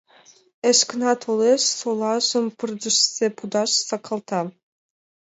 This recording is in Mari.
Эшкына толеш, солажым пырдыжысе пудаш сакалта.